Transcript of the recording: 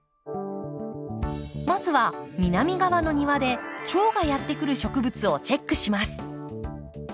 まずは南側の庭でチョウがやって来る植物をチェックします。